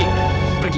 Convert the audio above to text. amira aku mau pergi